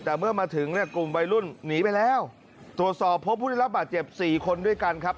แต่เมื่อมาถึงเนี่ยกลุ่มวัยรุ่นหนีไปแล้วตรวจสอบพบผู้ได้รับบาดเจ็บสี่คนด้วยกันครับ